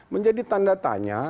menjadi tanda tanya